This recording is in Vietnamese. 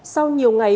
sau nhiều ngày